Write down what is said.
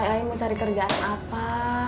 ayah mau cari kerjaan apa